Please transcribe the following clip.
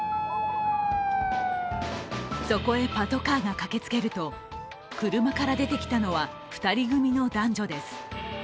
そこへパトカーが駆けつけると車から出てきたのは２人組の男女です。